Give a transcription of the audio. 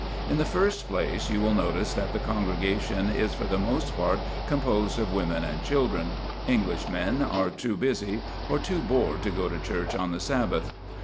In the first place, you will notice that the congregation is for the most part composed of women and children. Englishmen are too busy or too bored to go to church on the Sabbath.